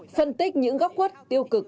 phân tích những góc khuất tiêu cực